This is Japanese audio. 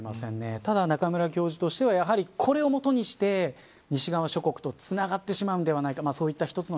ただ中村教授としてはやはりこれをもとにして西側諸国とつながってしまうのではないか。